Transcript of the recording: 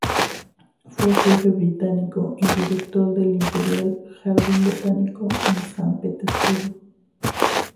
Fue Jefe Botánico y Director del Imperial Jardín Botánico en San Petersburgo.